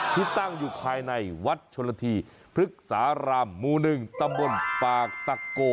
ที่ตั้งอยู่ภายในวัดชนละทีพฤกษารามหมู่๑ตำบลปากตะโก